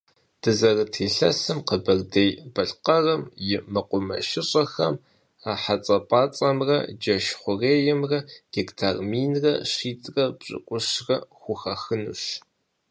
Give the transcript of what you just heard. Дызэрыт илъэсым Къэбэрдей-Балъкъэрым и мэкъумэшыщӏэхэм хьэцэпэцэмрэ джэш хъуреймрэ гектар мин щитӏрэ пщыкӏущрэ хухахынущ.